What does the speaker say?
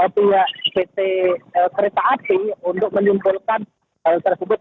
pihak pt kereta api untuk menyimpulkan hal tersebut